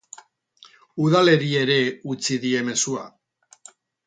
Udaleri ere utzi die mezua.